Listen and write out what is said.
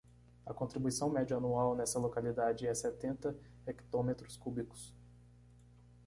A contribuição média anual nessa localidade é setenta hectómetros cúbicos.